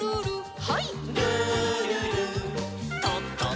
はい。